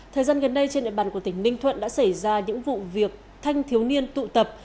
thời gian gần đây trên địa bàn của tỉnh ninh thuận đã xảy ra những vụ việc thanh thiếu niên tụ tập